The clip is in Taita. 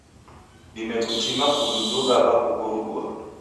Dime kutimagha kududugha w'akukurudua.